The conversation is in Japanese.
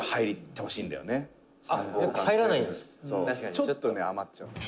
「ちょっと余っちゃう」